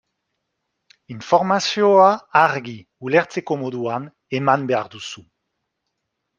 Informazioa argi, ulertzeko moduan, eman behar duzu.